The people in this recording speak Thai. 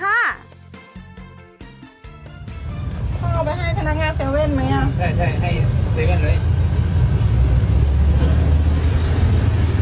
พ่อเอาไปให้ธนักงานเซเว่นมั้ยอ่ะใช่ใช่ให้เซเว่นเลย